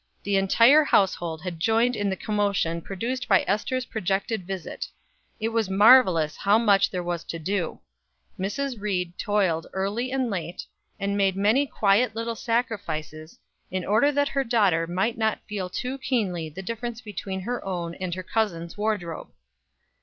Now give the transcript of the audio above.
The entire household had joined in the commotion produced by Ester's projected visit. It was marvelous how much there was to do. Mrs. Ried toiled early and late, and made many quiet little sacrifices, in order that her daughter might not feel too keenly the difference between her own and her cousin's wardrobe.